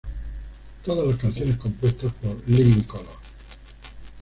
Todas las canciones compuestas por Living Colour.